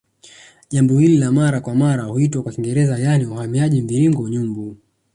Jambo hili la mara kwa mara huitwa kwa Kiingereza yaani uhamiaji mviringo Nyumbu